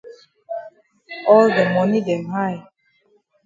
All de moni dem high.